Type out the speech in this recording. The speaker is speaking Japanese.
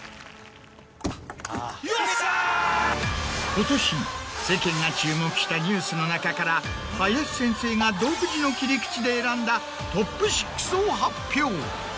・よっしゃ・今年世間が注目したニュースの中から林先生が独自の切り口で選んだ。